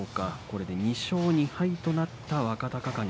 これで２勝２敗となった若隆景。